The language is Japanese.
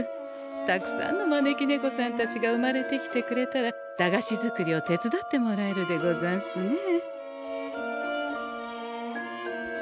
たくさんの招き猫さんたちが生まれてきてくれたら駄菓子作りを手伝ってもらえるでござんすねえ。